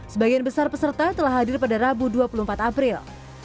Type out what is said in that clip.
sebagian besar peserta telah hadir pada rabu dua puluh empat april